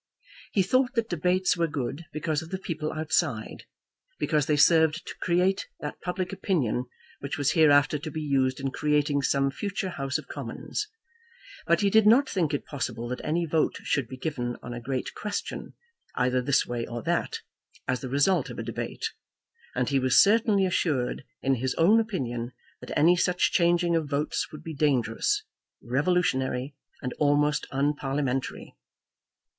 He thought that debates were good, because of the people outside, because they served to create that public opinion which was hereafter to be used in creating some future House of Commons; but he did not think it possible that any vote should be given on a great question, either this way or that, as the result of a debate; and he was certainly assured in his own opinion that any such changing of votes would be dangerous, revolutionary, and almost unparliamentary.